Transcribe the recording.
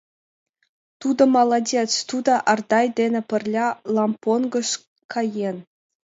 Тудо молодец, тудо Ардай дене пырля Лампонгыш каен.